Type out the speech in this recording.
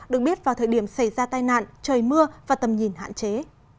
được biết vào thời điểm xảy ra tai nạn trời mưa và tầm nhìn hạn chế